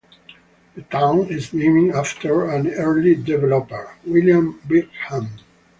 The town is named after an early developer, William Bingham.